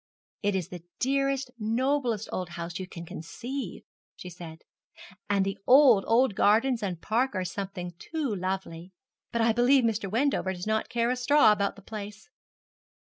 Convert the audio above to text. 'It is the dearest, noblest old house you can conceive,' she said; 'and the old, old gardens and park are something too lovely: but I believe Mr. Wendover does not care a straw about the place.'